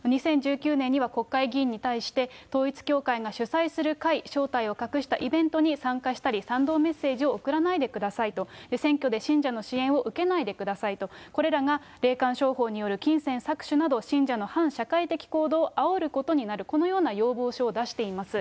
２０１９年には国会議員に対して、統一教会が主催する会、正体を隠したイベントに参加したり、賛同メッセージを送らないでくださいと、選挙で信者の支援を受けないでくださいと、これらが霊感商法による金銭搾取など、信者の反社会的行動をあおることになる、このような要望書を出しています。